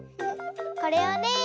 これをね